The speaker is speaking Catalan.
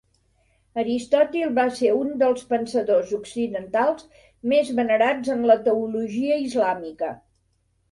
Aristòtil va ser un dels pensadors occidentals més venerats en la teologia islàmica.